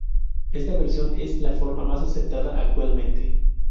Esta versión es la forma más aceptada actualmente.